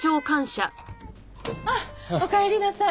あっおかえりなさい。